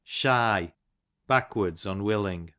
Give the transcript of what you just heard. Shy, backwards, unwilling.